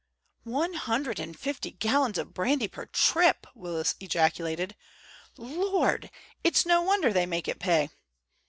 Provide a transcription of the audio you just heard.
"One hundred and fifty gallons of brandy per trip!" Willis ejaculated. "Lord! It's no wonder they make it pay."